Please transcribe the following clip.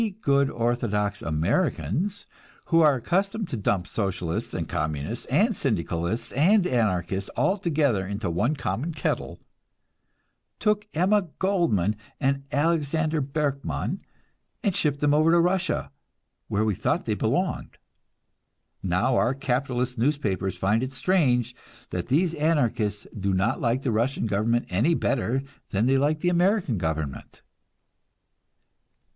We good orthodox Americans, who are accustomed to dump Socialists and Communists and Syndicalists and Anarchists all together into one common kettle, took Emma Goldman and Alexander Berkman and shipped them over to Russia, where we thought they belonged. Now our capitalist newspapers find it strange that these Anarchists do not like the Russian government any better than they like the American government!